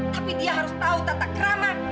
tapi dia harus tahu tata kerama